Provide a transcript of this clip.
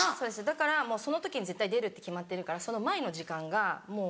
だからその時に絶対出るって決まってるからその前の時間がもう。